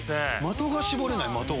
的が絞れない。